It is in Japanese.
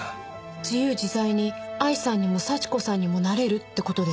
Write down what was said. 自由自在に愛さんにも幸子さんにもなれるって事ですか？